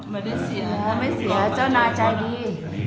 ไม่เสียเจ้านายใจดี